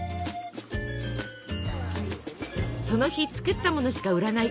その日作ったものしか売らない。